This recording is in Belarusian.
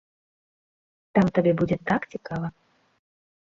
Там табе будзе так цікава!